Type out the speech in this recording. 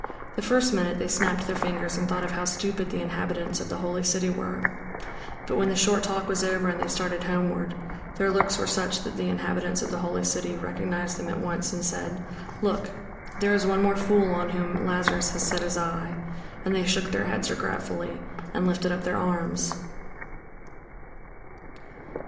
The first minute they snapped their fingers and thought of how stupid the inhabitants of the holy city were; but when the short talk was over and they started homeward, their looks were such that the inhabitants of the holy city recognized them at once and said: "Look, there is one more fool on whom Lazarus has set his eye," and they shook their heads regretfully, and lifted up their arms.